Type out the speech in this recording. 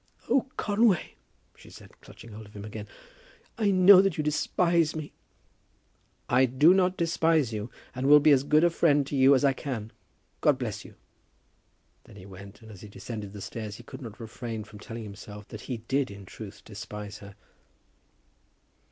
"Oh, Conway," she said, clutching hold of him again, "I know that you despise me." "I do not despise you, and I will be as good a friend to you as I can. God bless you." Then he went, and as he descended the stairs he could not refrain from telling himself that he did in truth despise her.